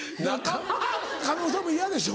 叶さんも嫌でしょ。